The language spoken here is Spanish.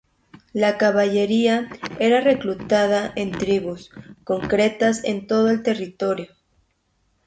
La caballería era reclutada en tribus concretas en todo el territorio.